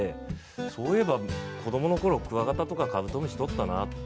そういえば子どものころクワガタやカブトムシを取ったな。